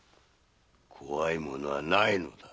怖いものはないのだ。